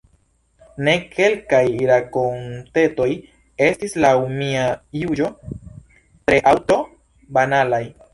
Ne, kelkaj rakontetoj estis laŭ mia juĝo tre aŭ tro banalaj.